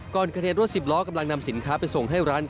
ก็อนเขธรถสิบล้อกำลังนำสินค้าไปส่งให้ร้านค้า